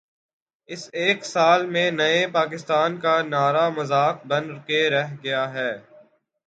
اس ایک سال میں نئے پاکستان کا نعرہ مذاق بن کے رہ گیا ہے۔